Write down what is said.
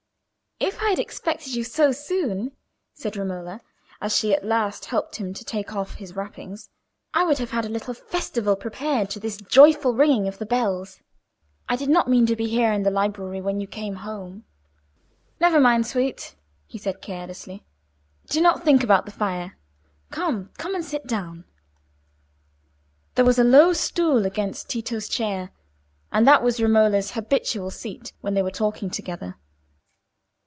"If I had expected you so soon," said Romola, as she at last helped him to take off his wrappings, "I would have had a little festival prepared to this joyful ringing of the bells. I did not mean to be here in the library when you came home." "Never mind, sweet," he said, carelessly. "Do not think about the fire. Come—come and sit down." There was a low stool against Tito's chair, and that was Romola's habitual seat when they were talking together.